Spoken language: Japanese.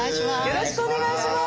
よろしくお願いします。